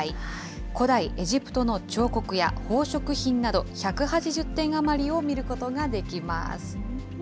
古代エジプトの彫刻や宝飾品など１８０点余りを見ることができます。